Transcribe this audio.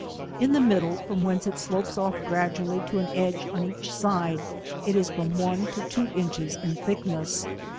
In the middle, from whence it slopes off gradually to an edge on each side, it is from one to two inches in thickness.